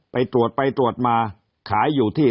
ไปตรวจไปตรวจมาขายอยู่ที่